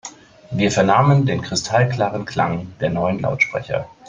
Wir vernahmen den kristallklaren Klang der neuen Lautsprecher.